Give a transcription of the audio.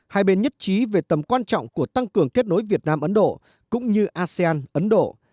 hai mươi một hai bên nhất trí về tầm quan trọng của tăng cường kết nối việt nam ấn độ cũng như asean ấn độ